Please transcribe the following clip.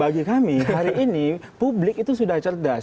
bagi kami hari ini publik itu sudah cerdas